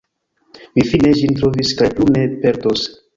Mi fine ĝin trovis kaj plu ne perdos!